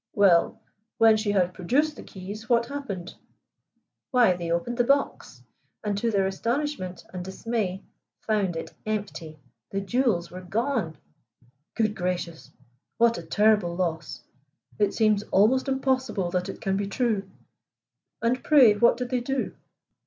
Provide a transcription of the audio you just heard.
"Well, when she had procured the keys, what happened?" "Why, they opened the box, and, to their astonishment and dismay, found it empty. The jewels were gone!" "Good gracious! What a terrible loss! It seems almost impossible that it can be true. And pray, what did they do?"